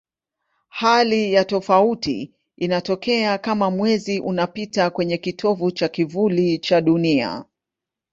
Hali ya tofauti inatokea kama Mwezi unapita kwenye kitovu cha kivuli cha Dunia.